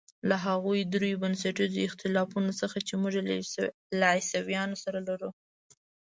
له هغو درېیو بنسټیزو اختلافونو څخه چې موږ له عیسویانو سره لرو.